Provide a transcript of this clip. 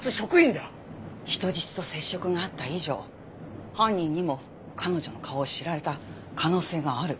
人質と接触があった以上犯人にも彼女の顔を知られた可能性がある。